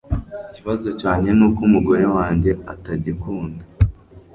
Ikibazo cyanjye nuko umugore wanjye atagikunda